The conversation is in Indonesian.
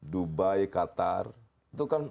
dubai qatar itu kan